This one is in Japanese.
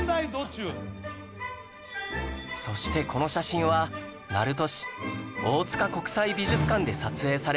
そしてこの写真は鳴門市大塚国際美術館で撮影されたもの